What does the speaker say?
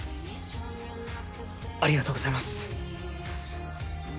ありがとうございます。